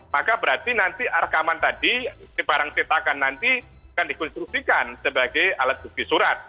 maka berarti nanti rekaman tadi si barang cetakan nanti akan dikonstruksikan sebagai alat bukti surat